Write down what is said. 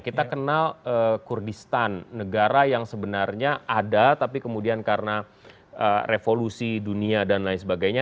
kita kenal kurdistan negara yang sebenarnya ada tapi kemudian karena revolusi dunia dan lain sebagainya